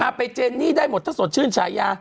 มาไปเจนี่ได้หมดถ้าสนชื่นทรายา